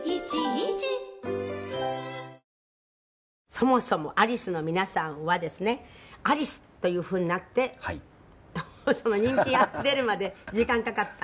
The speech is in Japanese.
そもそもアリスの皆さんはですねアリスというふうになって人気が出るまで時間かかった？